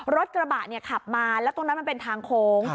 รถกระบะเนี่ยขับมาแล้วตรงนั้นมันเป็นทางโค้ง